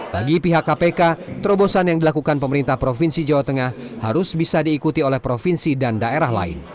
bagi pihak kpk terobosan yang dilakukan pemerintah provinsi jawa tengah harus bisa diikuti oleh provinsi dan daerah lain